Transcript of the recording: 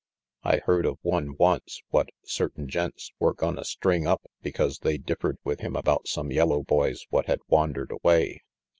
"I heard of one once what certain gents were gonna string up because they differed with him about some yellow boys what had wandered away.